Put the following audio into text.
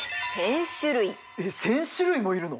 えっ１，０００種類もいるの？